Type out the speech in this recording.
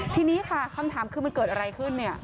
ทีนี้ค่ะคำถามคือมันเกิดอะไรขึ้นเนี่ย